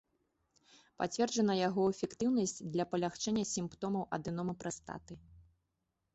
Пацверджана яго эфектыўнасць для палягчэння сімптомаў адэномы прастаты.